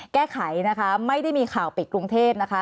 แก้ไขนะคะไม่ได้มีข่าวปิดกรุงเทพนะคะ